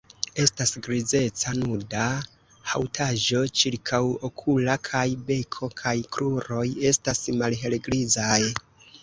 Estas grizeca nuda haŭtaĵo ĉirkaŭokula kaj beko kaj kruroj estas malhelgrizaj.